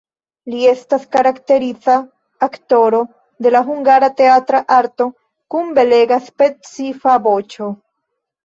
Li estas karakteriza aktoro de la hungara teatra arto kun belega, specifa voĉo.